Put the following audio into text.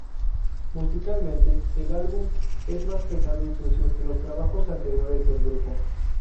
Musicalmente, el álbum es más pesado y sucio que los trabajos anteriores del grupo.